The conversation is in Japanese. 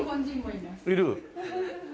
いる？